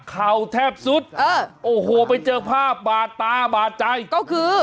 เขาแทบสุดเออโอ้โหไปเจอกับภาพบาตาบาจัยก็คือ